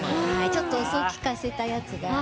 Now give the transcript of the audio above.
ちょっとお酢を効かせたやつが。